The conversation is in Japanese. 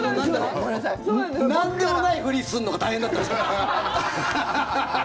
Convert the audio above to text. なんでもないふりするのが大変だったんですから。